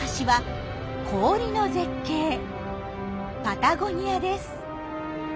パタゴニアです。